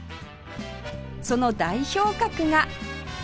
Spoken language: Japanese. その代表格が